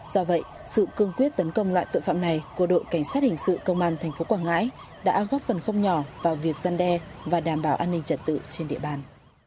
do vậy sự cương quyết tấn công loại tội phạm này của đội cảnh sát hình sự công an tp quảng ngãi đã góp phần không nhỏ vào việc gian đe và đảm bảo an ninh trật tự trên địa bàn